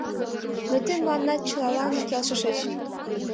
Но тый мыланна чылалан келшышыч.